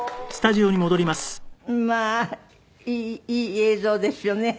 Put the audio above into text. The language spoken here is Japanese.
まあいい映像ですよね。